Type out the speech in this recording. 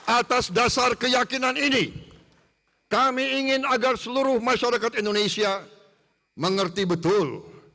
atas dasar keyakinan ini kami ingin agar seluruh masyarakat indonesia mengerti betul